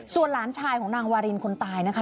ส่วนหลานชายของนางวารินคนตายนะคะ